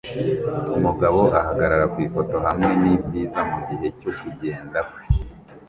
Umugabo ahagarara kwifoto hamwe nibyiza mugihe cyo kugenda kwe